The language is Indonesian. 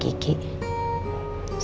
kiki dan gue